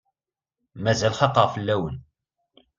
Mazal xaqeɣ fell-aken.